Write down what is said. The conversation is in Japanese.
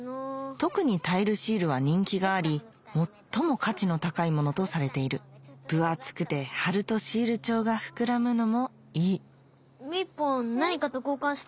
特にタイルシールは人気があり最も価値の高いものとされている分厚くて貼るとシール帳が膨らむのもいいみーぽん何かと交換して。